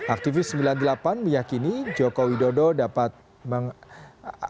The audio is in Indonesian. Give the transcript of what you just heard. aktivis sembilan puluh delapan meyakini joko widodo dapat mengangkat